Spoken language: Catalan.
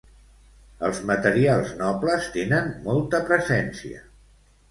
Els materials nobles tenen molta presència.